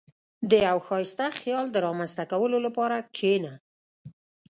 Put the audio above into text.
• د یو ښایسته خیال د رامنځته کولو لپاره کښېنه.